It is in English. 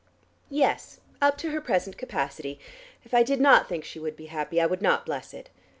"Yes, up to her present capacity. If I did not think she would be happy, I would not bless it.